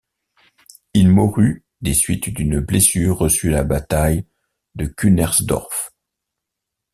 Il mourut des suites d'une blessure reçue à la bataille de Kunersdorf.